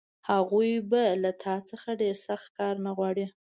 هغوی به له تا څخه ډېر سخت کار نه غواړي